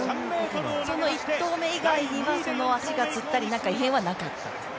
その１投目以外には、足がつったりとかはなかったですか？